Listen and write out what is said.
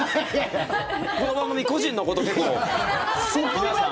この番組個人のこと結構、皆さん。